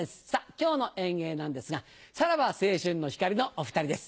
今日の演芸なんですが「さらば青春の光」のお２人です。